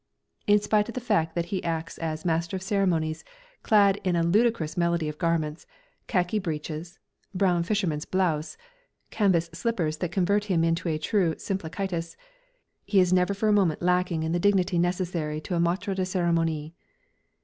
In spite of the fact that he acts as Master of Ceremonies, clad in a ludicrous medley of garments, khaki breeches, brown fisherman's blouse, canvas slippers that convert him into a true "Simplicitas," he is never for a moment lacking in the dignity necessary to a Maître de Cérémonies.